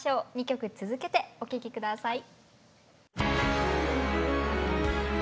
２曲続けてお聴き下さい。